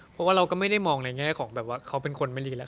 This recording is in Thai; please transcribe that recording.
เพราะว่าเราก็ไม่ได้มองในแง่ของแบบว่าเขาเป็นคนไม่ดีแล้ว